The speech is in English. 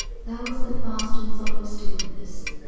There was a vast and solemn stillness.